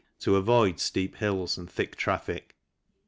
to avoid steep hills and thick traffic.